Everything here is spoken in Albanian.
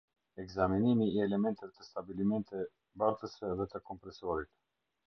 Ekzaminimi i elementeve të stabilimente bartëse dhe të kompresorit